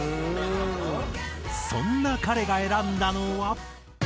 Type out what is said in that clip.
そんな彼が選んだのは。